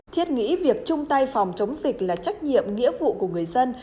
thiết nghĩ việc chung tay phòng chống dịch là trách nhiệm nghĩa vụ của người dân